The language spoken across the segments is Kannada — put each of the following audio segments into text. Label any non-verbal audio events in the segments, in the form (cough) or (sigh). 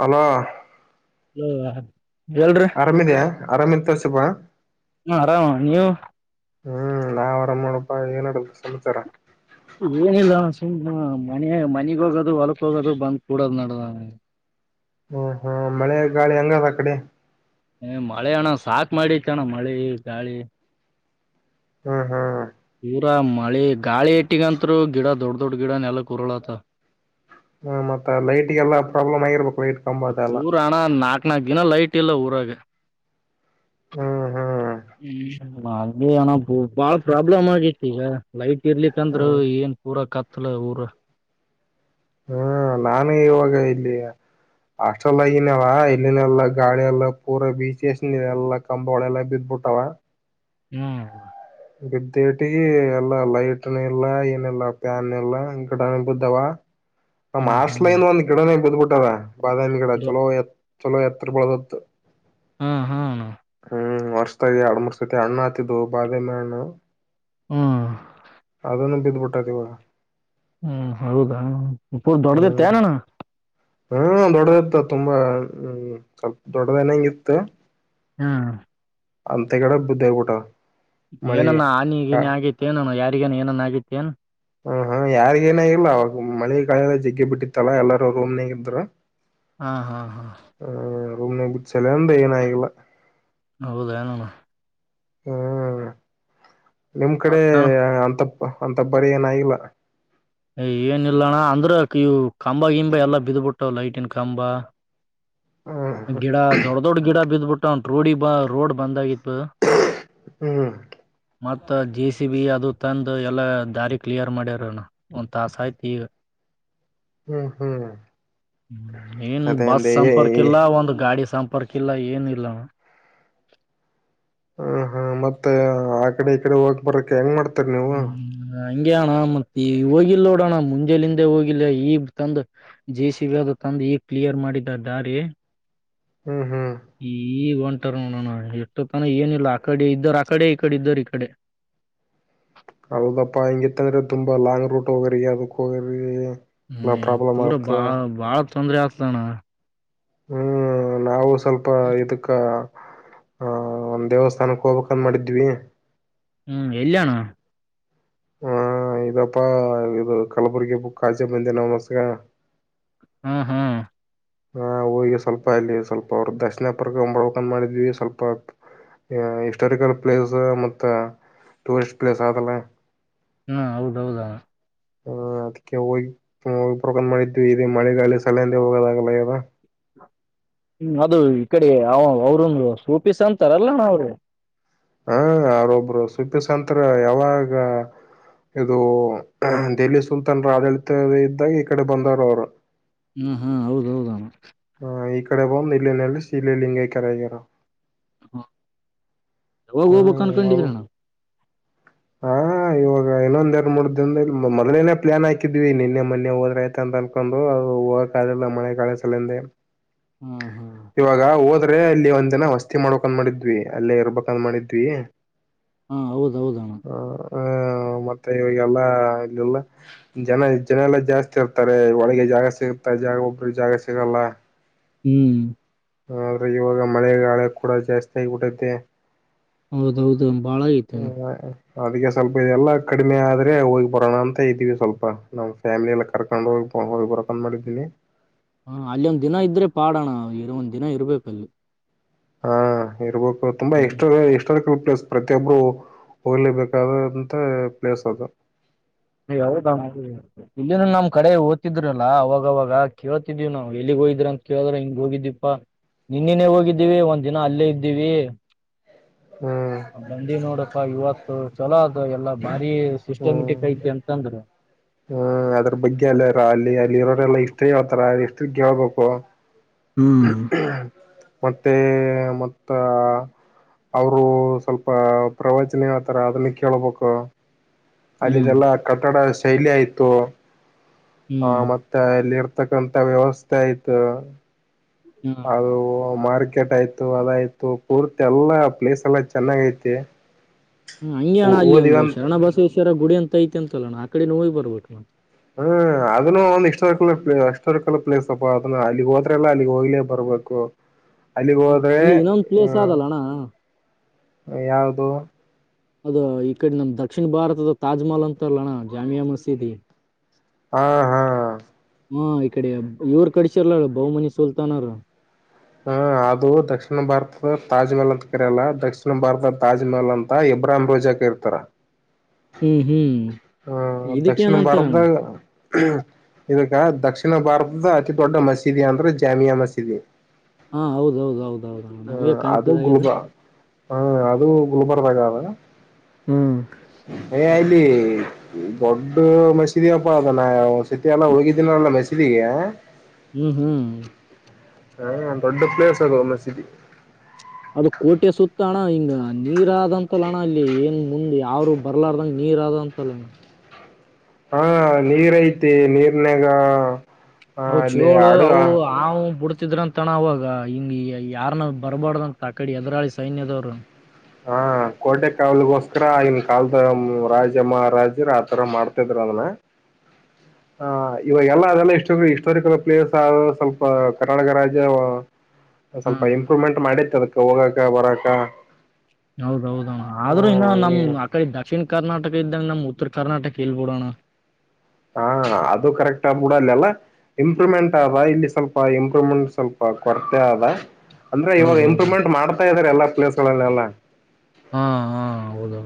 ಹಲೋ ಹಲೋ ಎಲ್ರಿರಿ ಆರಾಮಿದ್ಯಾ ಆರಾಮಿನ್ ತೋಸಿಬ ಆರಾಮ ನೀವು ಹ್ಮ್ ನಾವ್ ಆರಾಮ್ ನೋಡಪ್ಪಾ ಏನ್ ಸಮಾಚಾರ ಏನಿಲ್ಲ ಸುಮ್ಮ ಮನ ಮನಗ್ ಹೋಗೋದು ಹೊಲಕ್ ಹೋಗೋದು ಬಂದ್ ಕೂಡದ್ ನಡುವ ಹ್ಮ ಹಾ ಮಳೆ ಗಾಳಿ ಹಂಗ ಆದ್ ಆ ಕಡೆ ಹ ಮಳೆ ಅಣ್ಣ ಸಾಕ್ ಮಾಡತ್ತ ಅಣ್ಣ ಮಳೆ ಗಾಳಿ ಹ್ಮ್ ಹ್ಮ್ ಪೂರಾ ಮಳೆ ಗಾಳಿ ಇಟ್ಟಿಗಂತ್ರು ಗಿಡ ದೊಡ್ಡ ದೊಡ್ ಗಿಡ ನೆಲಕ್ಕೆ ಉರುಳತಾವು ಹ್ಮ ಮತ್ತ ಲೈಟ್ಗೆಲ್ಲಾ ಪ್ರಾಬ್ಲಮ್ ಆಗಿರ್ಬೇಕು ಲೈಟ್ ಕಂಬ ಅದೆಲ್ಲ ಪೂರಾಣ ನಾ ನಾ ದಿನ ಲೈಟ್ ಎಲ್ಲ ಊರಾಗ ಹ್ಮ್ ಹ್ಮ್ ಹಾಗೆನ ಬಾಳ ಪ್ರಾಬ್ಲಮ್ ಆಗಿತ್ತು ಈಗ ಲೈಟ್ ಇರ್ಲಿಕಂದ್ರರು ಹ್ಮ್ ಏನ್ ಪೂರಕ ಊರ ಹ್ಮ ನಾನು ಇವಾಗ ಇಲ್ಲಿ ಆಸ್ಟ್ರೆಲ್ ಆಗನವ ಇಲ್ಲಿನೆೆಲ್ಲಾ ಗಾಳಿಯೆಲ್ಲಾ ಪೂರಾ ಬೀಚಸ್ ಎಲ್ಲಾ ಕಂಬಳೆಲ್ಲ ಬಿದ್ಬಿಟ್ಟವ ಹ್ಮ್ ಬಿದ್ದೇಟಗ ಎಲ್ಲ ಲೈಟ್ನ ಇಲ್ಲ ಏನಿಲ್ಲ ಫ್ಯಾನ್ ಎಲ್ಲ ಗಿಡಾನ ಬಿದ್ದಾವ ನ್ ಹ್ಮ್ ಹ್ಮ್ ಆಸ್ಲೈನ್ ಒಂದು ಗಿಡನೆ ಬದ್ಬಿಟ್ಟು ಡವ ಬಾಳೆಹಣ್ಣು ಗಿಡ ಚಲೋ ಚಲೋ ಎತ್ರ ಪ್ರದತ್ತು ಹಾ ಹ್ಮ ಹ್ಮ್ ವರ್ಷದಾಗಿ ಎರಡು ಮುರ್ಸಐತಿ ಅಣ್ಣ ಆತಿದ್ದು ಬಾದ ಮ ಅಣ್ಣ ಹ್ಮ್ ಅದನ್ನು ಬಿ ಟವ ಹ್ಮ್ ಹೌದಾು ಹ್ಮ್ ದೊಡ್ಡದತ್ತನಣ್ಣ ಹ್ಮ್ ದೊಡ್ಡದಿತ್ತ ತುಂಬಾ ಹ್ಮ ಸ್ವಲ್ಪ ದೊಡ್ಡದನ ಹೆಂಗ ಇತ್ತು ಹಾ ಅಂತೇ ಕಡೆ ಬುದ್ಧಾಯ ಪೂಟ ಏನಾನ ಆನಿಗಿನ ಆಗೈತಿ ಏನ ಯಾರ ಗ ಏನನ್ ಆಗೈತೆ ಏನ್ ಹ ಹಾ ಯಾರಿಗ ಏನಾಗಿಲ್ಲ ಅವಾಗ ಮಳೆ ಕಾಲ ಜಗ್ಗೆಿ ಬಿಟ್ಟಿತ್ತಲ್ಲಾ ಎಲ್ಲಾರೂ ರೂಮ್ನಾಗ ಇದ್ರು ಹಾ ಹಾ ಹಾ ರೂಮ್ ನ್ಯಾಗ ಇದ್ದ ಸಾಲ್ಯಗ ಏನು ಆಗಿಲ್ಲ ಹೌದಾನಣ ಹ್ಮ್ ನಿಮ್ ಕಡೆ ಮತ್ತಣ ಅಂತ ಅಂತ ಪರಿ ಏನು ಆಗಿಲ್ಲ ಏನಿಲ್ಲಣ ಅಂದ್ರ ಇ ಕಂಬ ಗಿಂಬ ಎಲ್ಲಾ ಬಿದ್ಬಿಟ್ಟಾವ್ ಲೈಟಿನ್ ಕಂಬ ಹ್ಮ್ ಗಿಡ ದೊಡ್ಡ ದೊಡ್ ಗಿಡ ಬಿದ್ಬಿಟ್ಟು ಅಂತ ರೋಡಿ ಬ ರೋಡ್ ಬಂದ್ ಆಗಿತ್ತು ಹ್ಮ್ ಮತ್ತ ಜೇಸಿಬಿ ಅದು ತಂದು ಎಲ್ಲ ದಾರಿ ಕ್ಲಿಯರ್ ಮಾಡ್ಯಾರಣ ಒಂದ್ ತಾಸ ಆಯ್ತಿು ಈಗ ಹ್ಮ್ ಹ್ಮ್ ಅದಂತ ಈ ಒಂದು ಗಾಡಿ ಸಂಪರ್ಕ ಇಲ್ಲ ಏನಿಲ್ಲ ಹ ಹ್ಮ ಮತ್ತ ಆ ಕಡೆ ಈ ಕಡೆ ಹೋಗ ಬರಕ್ ಹೆಂಗ್ ಮಾಡ್ತ ಹ್ಮ್ ಹ್ಮ್ ಹಂಂಗಗೆ ಅಣ್ಣ ಮತ್ತೆ ಈ ಹೋಗಿಲ್ಲ ನೋಡಣ ಮುಂಜೆಲಿಂದೆ ಹೋಗಿಲ್ಲ ಈಗ್ ತಂದ ಜೆಸಿಬಿ ಅದು ತಂದು ಈಗ್ ಕ್ಲಿಯರ್ ಮಾಡಿದ ದಾರಿ ಹ್ಮ್ ಹ್ಮ್ ಈಗ ಒಂದ್ ನೋಡೋಣ ಎಷ್ಟು ತನ ಏನಿಲ್ಲ ಆ ಕಡೆ ಇದ್ದರು ಆ ಕಡೆ ಈ ಕಡೆ ಇದ್ದರು ಈ ಕಡೆ ಹೊಲದ ರೂಟ್ ಹೋಗೋರಿಗಿ ಹ್ಮ್ ಪೂರ ಬಾಳ್ ಬಾಳ್ ತೊಂದರೆ ಆಗ್ತತಾನ ಹ್ಮ್ ನಾವು ಸ್ವಲ್ಪ ಇದಕ್ಕೆ ಹ ಒಂದ್ ದೇವಸ್ಥಾನಕ್ಕೆ ಹೋಗಬೇಕು ಅಂತ ಮಾಡಿದ್ವಿ ಹು ಎಲ್ಲಿ ಅಣ್ಣ ಹಾ ಇದಪ್ಪಾ ಇದು ಕಲಬುರ್ಗಿ ಬು ಕಚೆ ನಮಸ್ಗ ಹ್ಮ್ ಹ್ಮ್ ಹಾ ಹೋಗಿ ಸ್ವಲ್ಪ ಅಲ್ಲಿ ಸ್ವಲ್ಪ ಅವ್ರರು ದರ್ಶನ ಪಡಕೊಂಡು ಬಂದು ಮಾಡಿದ್ವಿ ಸ್ವಲ್ಪ ಹಿಸ್ಟಾರಿಕಲ್ ಪ್ಲೇಸ್ ಮತ್ತ ಟೂರಿಸರಿಸ್ಟ್ ಪ್ಲೇಸ್ ಆದಲ್ಲ ಹ್ಮ ಹೌದೌದಾ ಹ ಅದಕ್ಕೆ ಹೋಗಿಗ ಬರ್ಬೇಕು ಮಾಡಿದ್ವಿ ಇ ಮಳೆಗಾಲ ಸಲುವಾಗಿ ಹೋಗೋದಾಗಲ್ಲ ಆಗ್ಯದ ಹ್ಮ್ ಅದು ಈ ಕಡೆ ಅವ ಅವರುಂದು ಸೋಪೀಸ್ ಸಂತರುಲ್ಲಣ ಅವ್ರೆ ಹಾ ಅವ್ರೊಬ್ರು ಸುಪಿಸಂತರು ಯಾವಾಗ ಇದು ಡೆಲ್ಲಿ ಸುಲ್ತಾನ್ರ ಆಡಳಿತ ಇದ್ದಾಗ ಈ ಕಡೆ ಬಂದರು ಅವರು ಹ್ಮ ಹಾ ಹೌದ್ದಾ ಹ ಈ ಕಡೆ ಬಂದು ಇಲ್ಲೇ ನೆಲೆಸಿ ಇಲ್ಲೆ ಲಿಂಗೈಕ್ಯ ಆಗ್ಯಾರ ಯಾವ ಹೋಗಬೇಕ ಹ್ಮ ಅನ್ಕೊಂಡಿದ್ರಣ ಹಾ ಇವಾಗ ಇನ್ನೊಂದೆರಡು ಮೂರ್ ದಿನ ಇ ಮೊದ್ಲೇನೆೇ ಪ್ಲಾನ್ಾಕಿದ್ವಿ ನಿನ್ನೆ ಮೊೆ ಹೋದ್ರ ಐತೆ ಅಂತ ಅನ್ಕೊಂಡ್ರು ಅ ಹೋಗಕ ಆಗಿಲ್ಲ ಮಳೆ ಕಾಳೆ ಸಲಿಂದೆ ಹ್ಮ್ ಹ್ಮ್ ್ರೆ ಅಲ್ಲಿ ಒಂದ್ ದಿನ ವಸ್ತಿ ಮಾಡ್ಕ್ಂದನ್ ಮಾಡಿದ್ವಿ ಅಲ್ಲೇ ಇರ್ಬೇಕಕ್ ಅಂದ ಮಾಡಿದ್ವಿ ಹಾ ಹೌದೌದಣ ಹ್ಮ ಮತ್ತೆ ಇವಗೆಲ್ಲ ಇಲ್ಲಲ್ಲ ಜನ ಜನ ಎಲ್ಲಾ ಜಾಸ್ತಿ ಇರ್ತಾರೆ ಒಳಗೆ ಜಾಗ ಸಿಗುತ್ತಾ ಜಾಗ ಒಬ್್ರ ಜಾಗ ಸಿಗಲ್ಲ ಹ್ಮ್ ಆದ್ರೆ ಇವಾಗ ಮಳೆಗಳ ಕೂಡ ಜಾಸ್ತಿ ಆಗಬಿಟ್ಟೆ ಹೌದೌದು ಬಾಳ ಐತೆನೆ ಅದಕ್ಕೆ ಸ್ವಲ್ಪ ಎದೆಲ್ಲಾ ಕಡಿಮೆ ಆದ್ರೆ ಹೋಗಿ ಬರೋಣ ಅಂತ ಇದ್ದೀವಿ ಸ್ವಲ್ಪ ನಮ್ ಫ್ಯಾಮಿಲಿ ಎಲ್ಲ ಕರ್ಕೊಂಡು ಹೋಗಿ ಹೋಗಿ ಬರಕ್ ಮಾಡಿದೀನಿ ಹ ಅಲ್ಲಿ ಒಂದ್ ದಿನ ಇದ್ರೆ ಪಾಡೋಣ ಇರ ಒಂದ್ ದಿನ ಇರ್ಬೇಕಲ್ಲಿ ಹಾ ಇರ್ಬು ತುಂಬಾ ಎ ಎಲ್ ಪ್ಲೇಸ್ ಪ್ರತಿಯೊಬ್ಬರು ಹೋಗ್ಲೇಬೇಕಾದಂತ ಪ್ಲೇಸ್ ಅದು ಯದ ಇಲ್ಲಿನ ನಮ್ ಕಡೆ ಓ್ತಿದ್ರಲ್ಲಾ ಅವಾಗವಾಗ ಕೇಳ್ತಿದೀವಿ ನಾವವು ಎಲ್ಲಿಗ್ ಹೋಗಿದ್ರ ಅಂತ ಕೇಳಿದ್ರ ಹಿಂಗ್ ಹೋಗಿದ್ದೀಪಾ ನಿನ್ನನೆೇ ಹೋಗಿದ್ದೀವಿ ಒಂದ್ ದಿನ ಅಲ್ಲೇ ಇದ್ದೀವಿ ಹ್ಮ್ ಬಂದಿ ನೋಡಪ್ಪಾ ಇವತ್ತು ಚಲೋ ಅ ಎಲ್ಲಾ ಭಾರಿ ಸಿಸ್ಟಮೆಟಿಕ್ ಐತಿ ಅಂತಂದ್ರೆ ಹ ಅದ್ರ ಬಗ್ಗೆ ಅಲ್ಲಾರ ಅಲ್ಲಿ ಅಲ್ಲಿ ಇರೋರೆಲ್ಲ ಇಷ್ಟ ಹತಾರಷ್ಟ ತು ಗ ಬಪ್ಪು ಹ್ಮ್ ಮತ್ತೆ ಮತ್ತ ಅವರು ಸ್ವಲ್ಪ ಪ್ರವಚನ ಆತರ ಅದನ್ನ ಕೇೇಳಬೇಕು ಹ್ಮ್ ಅಲ್ಲಿದೆಲ್ಲ ಕಟ್ಟಡ ಶೈಲಿ ಆಯ್ತು ಹ್ಮ್ ಹ ಮತ್ತೆ ಎಲ್ಲಿ ತಕ್ಕಂತ ವ್ಯವಸ್ಥೆ ಆಯ್ತ ಹ್ಮ ಅದು ಮಾರ್ಕೆಟ್ ಆಯ್ತು ಅದಾಯ್ತು ಪೂರ್ತಿ ಎಲ್ಲಾ ಪ್ಲೇಸ್ ಎಲ್ಲ ಚೆನ್ನಾಗ ೈತಿ ಹ್ಮ್ ಹಂಗಗೆ ಅಣ್ಣ ಅಲ್ಲಿ ಒಂದು ಶರಣ ಬಸವೇಶ್ವರ ಗುಡಿ ಅಂತ ಐತೆ ಅಂತಲ್ಲಣ ಆಡೆ ನೋವು್ ಬರ್ಬಟ್ಟು ಹ್ಮ್ ಅದನ್ನು ಒಂದ್ ಇ್ಟೋಾರಿಕಲ್ ಪ್ೇ ಇಸ್್ಟೋಾರಿಕಲ್ ಪ್ಲೇಸ್ ಅಪ್ಪ ಅದನ್ನ ಅಲ್ಲಿಗ್ ಹೋದ್ರ ಎಲ್ಲಾ ಅಲ್ಲಿಗ್ ಹೋಗ್ಲೇ ಬರ್ಬೇಕು ಅಲ್ಲಿಗ್ ಹ ಹೋದ್ರೆ ಇಲ್ಲಿ ಇನ್ನೊಂದು ಪ್ಲೇಸ್ ಆದಲ್ಲಣ್ಣ ಯಯಾವದು ಅದ ಈ ಕಡೆ ನಮ್ ದಕ್ಷಿಣ ಭಾರತದ ತಾಜ್ಮಹಲ್ ಅಂತಾರಲ್ಲಣ್ಣ ಜಾಮಿಯಾ ಮಸೀದಿ ಹಾ ಹಾ ಹ್ಮ ಈ ಕಡೆ ಇವರು ಕಡಸಿರ್ಲ ಬಹುಮನಿ ಸುಲ್ತಾನ್ ಅವರು ಹ್ಮ ಅದು ದಕ್ಷಿಣ ಭಾರತದ ತಾಜ್ಮಹಲ್ ಅಂತ ಕರಲ್ಲ ದಕ್ಷಿಣ ಭಾರತದ ತಾಜ್ಮಹಲ್ ಅಂತ ಇಬ್ರಾಹಿಂ ರೋಜಾ ಕರ್ತಾರ ಹ್ಮ್ ಹ್ಮ್ ಹಾ ದಕ್ಷಿಣ ಇದಕ್ಕೇನಂತಾರಣ ಭಾರತದಾಗ ಇದಕ್ಕೆ ದಕ್ಷಿಣ ಭಾರತದ ಅತಿ ದೊಡ್ಡ ಮಸೀದಿ ಅಂದ್ರೆ ಜಾಮಿಯಾ ಮಸೀದಿ ಹಾ ಹೌದೌದ ಹೌದು ಹೌದೌದ ನಮಗೆ ಕನ್‌ಫ್ಯೂಸ್ ಹಾ ಅದು ಗುಲ್ಬರ್ಗಾದಾಗದ ಹ್ಮ್ (unintelligible) ಇಲ್ಲಿ ದೊಡ್ಡ ಮಸೀದಿ ಅಪ್ಪಾ ಅದ ನಾ ಸತಿ ಎಲ್ಲ ಹೋಗಿದ್ದನಲ್ಲ ಮಸೀದಿಗೆ ಹ್ಮ್ ಹ್ಮ್ ಹಾ ದೊಡ್ಡ ಪ್ಲೇಸ್ ಅದು ಮಸೀದಿ ಅಣ್ಣ ಹಿಂಗ ನೀರ ಆದಂತಲ್ಲ ಅಣ್ಣ ಅಲ್ಲಿ ಏನ್ ಮುಂದ್ ಯಾರು ಬರ್ಲಾರ್ದಂಗ ನೀರ್ ಆದಂತಲಣ್ಣ ಹಾ ನೀರ್ ಐತಿ ನೀರನ್ಯಾಗ ಅವು ಚೋಳು ಅವು ಹಾವು ಬಿಡ್ತ ಹಾಕತಿದ್ರಂತಣ ಅವಾಗ ಹಿಂಗ ಯಾರನ ಬರಬಾಡ್ದಂತ ಆಕಡೆ ಎದುರಾಳಿ ಸೈನ್ಯದವ್ರು ಹ ಕೋಟೆ ಕಾವಲಿಗೋಸ್ಕರ ಆಗಿನ ಕಾಲದ ರಾಜ ಮಹಾರಾಜರ ಆತರ ಮಾಡ್ತಿದ್ರ ಅದನ್ನ ಆ ಇವಾಗೆಲ್ಲ ಅದೆಲ್ಲ ಇಸ್ಟೋರಿಕಲ್ ಪ್ಲೇಸ್ ಆದ ಸ್ವಲ್ಪ ಕರ್ನಾಟಕ ರಾಜ್ಯ ಸ್ವಲ್ಪ ಹ್ಮ್ ಇಂಪ್ರೂವ್ಮೆಂಟ್ ಮಾಡಿತ್ತ ಅದಕ್ಕ ಹೋಗಾಕ್ಕ ಬರಾಕ್ಕ ಹೌದೌದ ಆದ್ರೂ ಇನ್ನ ನಮ್ ಆಕಡ ದಕ್ಷಿಣ ಕರ್ನಾಟಕ ಇದ್ದಂಗ ನಮ್ ಉತ್ತರ ಕರ್ನಾಟಕ ಇಲ್ಲಬೀಡಣ್ಣ ಹಾ ಅದು ಕರೆಕ್ಟ್ ಆಗ್ಬಿಡ ಅಲ್ಲ ಅಲ್ಲ ಇಂಪ್ರೂವ್ಮೆಂಟ್ ಆದ ಇಲ್ಲಿ ಸ್ವಲ್ಪ ಇಂಪ್ರೂವ್ಮೆಂಟ್ ಸ್ವಲ್ಪ ಕೊರತೆ ಆದ ಅಂದ್ರೆವಾಗ ಹೌದೌದು ಇಂಪ್ರೂವ್ಮೆಂಟ್ ಮಾಡತಾ ಇದ್ದಾರೆ ಎಲ್ಲ ಎಲ್ಲ ಹಾ ಹಾ ಹೌದೌದು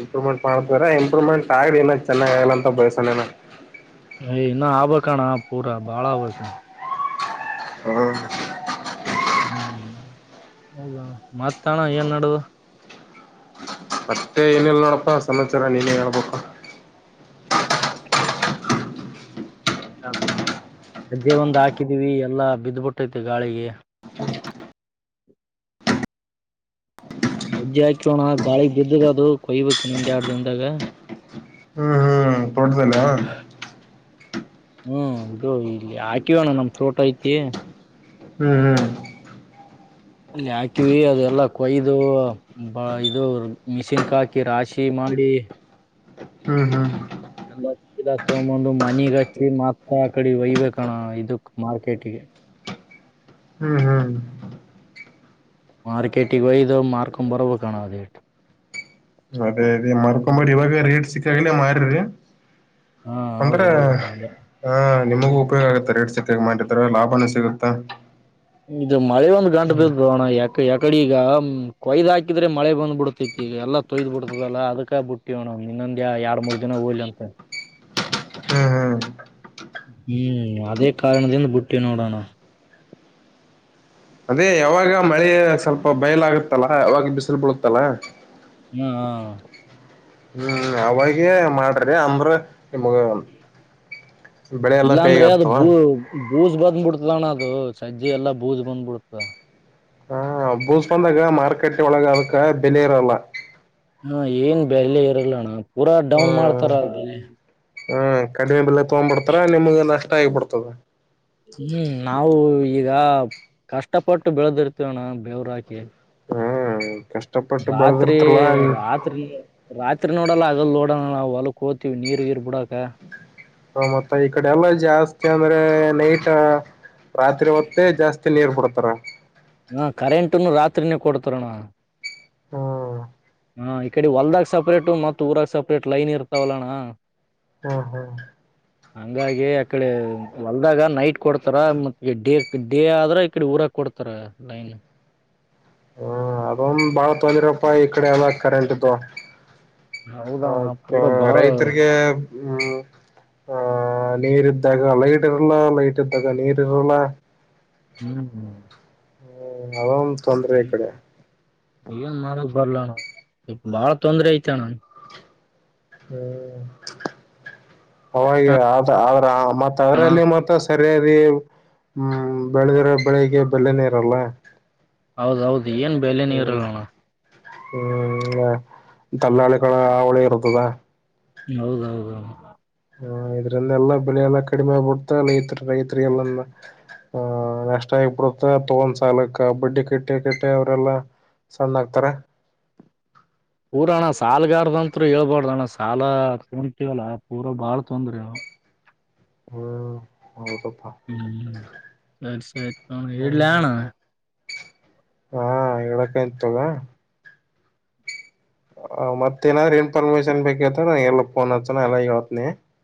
ಇಂಪ್ರೂವ್ಮೆಂಟ್ ಮಾಡತರ ಇಂಪ್ರೂವ್ಮೆಂಟ್ ಆಗಲಿ ಇನ್ನ ಚೆನ್ನಾಗ ಆಗಲಿ ಅಂತ ಬಯಸೋಣ ಇನ್ನ ಇನ್ನ ಆಗ್ಬಬೇಕಣ್ಣ ಪೂರಾ ಬಾಳ ಆಗ್ಬೇಕ ಹ್ಮ್ ಹ್ಮ್ ಹೌದ ಮತ್ತ ಅಣ್ಣ ಏನ ನಡದದ ಮತ್ತೆ ಏನಿಲ್ಲ ನೋಡಪ್ಪಾ ಸಮಾಚಾರ ನೀನೇ ಹೇಳ್ಬೇಕು ಸಜ್ಜೆ ಒಂದು ಹಾಕಿದೀವಿ ಎಲ್ಲಾ ಬಿದ್ದ್ಬಿಟ್ಟೈತಿ ಗಾಳಿಗೆ ಸಜ್ಜೆ ಹಾಕೀವಿ ಅಣ್ಣ ಗಾಳಿಗೆ ಬಿದ್ದದ ಅದು ಕೊಯ್ಬೇಕು ಇನ್ನೊಂದ್ ಎರಡ್ ದಿನ್ದಾಗ ತೂಟದಲ್ಲಿ ಹಾ ಹ್ಮ್ ಅದು ಇಲ್ಲಿ ಹಾಕಿವಣ್ಣ ನಮ ತೋಟ ಐತಿ ಹ್ಮ್ ಹ್ಮ್ ಅಲ್ಲಿ ಹಾಕಿವಿ ಅದೆಲ್ಲಾ ಕೊಯ್ದು ಇದು ಮಿಸನ್ಕ ಹಾಕಿ ರಾಶಿ ಮಾಡಿ ಹ್ಮ್ ಹ್ಮ್ ಎ ತೊಂದು ಮನಿಗ್ ಹಚ್ಚಿ ಮತ್ತ ಆ ಕಡೆ ಒಯ್ಬೇಕಣ ಇದಕ್ ಮಾರ್ಕೆಟಿಗೆ ಹ್ಮ್ ಹ್ಮ್ ಹ್ಮ್ ಮಾರ್ಕೆಟಿಗೆ ಒಯ್ದ ಮಾರ್ಕೊಂಡ್ ಬರಬೇಕಣ್ಣ ಅದು ಈಟು ಅದೇ ಅದೇ ಮರ್ಕೊಂಬೇಡ್ರ ಇವಾಗ ರೇಟ್ ಸಿಕ್ಕಾಗಲ ಮಾರರಿ ಹಾ ಅಂದ್ರೆ ಹೌದೌದಣ ಅದೇ ಹ ನಿಮಗೂ ಉಪಯೋಗ ಆಗುತ್ತ ರೇಟ್ ಸಿಕ್ಕಾಗ ಮಾರಿದ್ರ ಲಾಭನ ಸಿಗುತ್ತಾ ಇದು ಮಳೆ ಒಂದ್ ಗಂಟ ಹ್ಮ್ ಬಿದದೂಣ್ಣ ಯಕ ಯಕಡೆ ಈಗ ಕೊಯ್ದ್ ಹಾಕಿದ್ರೆ ಮಳೆ ಬಂದ್ ಬಿಡ್ತೈತಿ ಈಗ ಎಲ್ಲ ತೊಯ್ದ್ ಬಿಡ್ತದಲ್ಲಾ ಅದಕ್ಕ ಬಿಟ್ಟವಣ್ಣ ಇನ್ನೊಂದ್ಯಾ ಎರಡ್ ಮೂರ್ ದಿನ ಹೋಲ್ಲಿಅಂತ ಹ್ಮ್ ಹ್ಮ್ ಅದೇ ಹ್ಮ್ ಹಾ ಹ್ಮ್ ಅವಾಗೇ ಮಾಡ್ರಿ ಅಂದ್ರ (inaudible) ಬೂಜ ಬಂದ್ಬ ಬಿಡ್ತಣ್ಣ ಅದು ಸಜ್ಜ ಎಲ್ಲ ಬೂಜ ಬಂದ್ಬ ಬಿಡ್ತ ಹ ಬೂಸ್ ಬಂದಾಗ ಮಾರ್ಕೆಟ್ ಒಳಗ ಅದಕ್ಕ ಹಾ ಏನ್ ಬೆಲೆ ಇರಲ್ಲಣ ಪಊರ ಡೌನ್ ಮಾಡ್ತಾರ ಅ (inaudible) ತಕೊ್ಂಬಿಡ್ತಾರ ನಿಮಗೆಲ್ಲ ಪಡ್ತದೆ ಹ್ಮ್ ನಾವು ಈಗ ಹ್ಮ್ ಕಷ್ಟಪಟ್ಟು ರಾತ್ರಿ ಬೆಳೆದಿರ್ತರ್ಲಾ ರಾತ್ರಿ ರಾತ್ರಿ ನೋಡಲ್ಲ ಹಗಲ್ ನೋಡೋಣ ನಾವು ಹೊಲಕ್ ಹೋಗ್ತಿೀವಿ ನೀರ್ ಗೀರ್ ಬಿಡಕ ಹ ಮತ್ತ ಈ ಕಡೆ ಎಲ್ಲ ಜಾಸ್ತಿ ಅಂದ್ರೆ ನೈಟ್ ರಾತ್ರಿ ಹೊತ್ತೆ ಜಾಸ್ತಿ ನೀರ್ ಬಿಡುತ್ತೆ ಅ ಹಾ ಕರೆಂಟನ್ನು ರಾತ್ರಿನ ಕೊಡ್ತರಣ್ಣ ಹ್ಮ ಹಾ ಈ ಕಡೆ ಹೊಲ್ದಾಗ ಸಪ್ರೇಟ್ ಮತ್ತ ಊರಾಗ ಸಪ್ರೇಟ್ ಲೈನ್ ಇರ್ತಾವಲ್ಲಣ್ಣ ಹ್ಮ ಹಾ ಹಂಗಾಗಿ ಅಕಡೆ ಹೊಲ್ದಾಗ ನೈಟ್ ಕೊಡ್ತಾರ ಮತ್ತ ಡೇ ಡೇ ಆದ್ರ ಈಕಡೆ ಊರಾಗ ಕೊಡ್ತಾರ ನೈನ್ ಹ್ಮ ಅದೊಂದು ಬಾಳ ತೊಂದಿರಪ್ಪ ಈ ಕಡೆ ಅದ ಕರೆಂಟ್ದು ಹೌದಣ ಹೆ ಪೂರಾ ಬಾಳ ರೈತರಿಗೆ ಹ್ಮ್ ಆಹ ನೀರ್್ದಾಗ ಲೈಟ್ ಇರಲ್ಲ ಲೈಟ್ ಇದ್ದಾಗ ನೀರ್ ಇರಲ್ಲ ಹ್ಮ್ ಹ್ಮ ಹ ಹ ತೊಂದ್ರ ಈ ಕಡೆ ನ್ ಮಾಡಕ್ ಬರ್ಲಣ ಈ ಬಾಳ ತೊಂದ್ರೆ ಐತಣನ್ ಹ್ಮ್ ಅವಾಗ ಆದ ಆದ್ರ ಮತ್ತ ಅಣ ಅವರಲ್ಲಿ ಮಾತ್ರ ಸರಿಯ ಹ್ಮ ಬೆಳೆದಿ್ರೆ ಬೆಳಿಗ್ ಬೆಲ್ಲನೇರಲ್ಲ ಹೌದೌದು ಅದು ಏನ್ ಬೆಲೆ ನೀರುಗಳಣ ಹ್ಮ್ ದಲ್ಲಾಳಿಗಳ ಅವಳಿ ಇರತದ ಹೌದೌದೌದು ಹ ಇದ್ರಂದೆಲ್ಲಾ ಬೆಳೆಲ್ಲಾ ಕಡಿಮೆ ಆಗ್ಬಿಡತ ರೈತ ರೈತರಿಗೆ ಎಲ್ಲ ಆಹ ನಷ್ಟ ಆಗ್ಬಿಡತ್ತ ತಗೊಂಡ್ ಸಾಲಕ್ಕ ಬಡ್ಡಿ ಕೆಟ್ಟ ಕೆಟ್ಟೆ ಅವರೆಲ್ಲಾ ಸಣ್ಣ ಆಕ್ತಾರ ಪೂರಣ್ಣ ಸಾಲ್ಗಾರ್ದಂರು ಹೇಳ್ಬಾರಡ್ದ ಅಣ್ಣ ಸಾಲ ತೊತವಲ್ಲ ಪೂರ ಬಾಳ್ ತೊಂದ್ರೆ ಹ್ಮ್ ಹೌದಪ್ಪಾ ಹ್ಮ್ಲಸ ಹ್ಮ್ ವಡಲ್ಲಣ ಹಾ ಹೇಳಡಕ ಇತದ ಹ ಮತ್ ಏನಾದ್ರು ಏನ್ ಪರ್ಮಿಷನ್ ಬೇಕ ನ ಎಲ್ಲ ಫೋನ್ ಹತ್ನ ಎಲ್ಲತ್ನಿ.